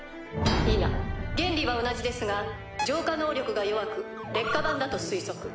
否原理は同じですが浄化能力が弱く劣化版だと推測。